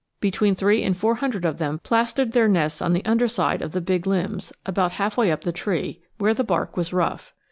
Between three and four hundred of them plastered their nests on the underside of the big limbs, about half way up the tree, where the bark was rough.